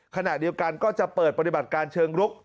ขณะเดียวกันก็จะเปิดปฏิบัติการเชิงรุก